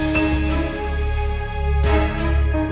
kita sudah bicara durian ali